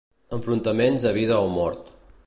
Enfrontaments a vida o mort.